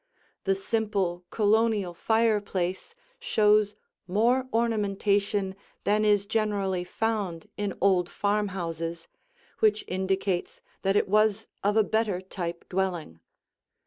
The simple Colonial fireplace shows more ornamentation than is generally found in old farmhouses, which indicates that it was of a better type dwelling.